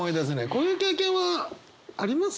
こういう経験はあります？